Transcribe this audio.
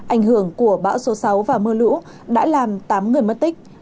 ảnh hưởng của bão số sáu và mưa lũ đã làm tám người mất tích